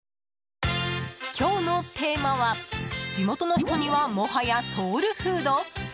今日のテーマは、地元の人にはもはやソウルフード？